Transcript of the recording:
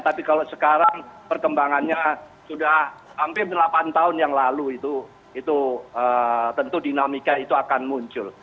tapi kalau sekarang perkembangannya sudah hampir delapan tahun yang lalu itu tentu dinamika itu akan muncul